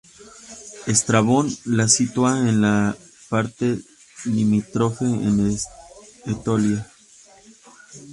Estrabón la sitúa en la parte limítrofe con Etolia.